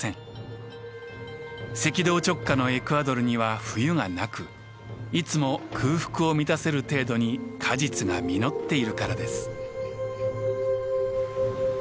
赤道直下のエクアドルには冬がなくいつも空腹を満たせる程度に果実が実っているからです。